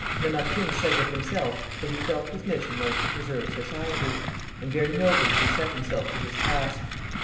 Lamartine says of himself that he felt his mission was to preserve society, and very nobly he set himself to his task.